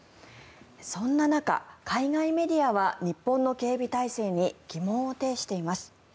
そんな中、海外メディアは日本の警備体制に疑問を呈しています。